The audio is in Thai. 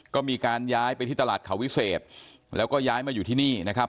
ก็มีการย้ายไปที่ตลาดเขาวิเศษแล้วก็ย้ายมาอยู่ที่นี่นะครับ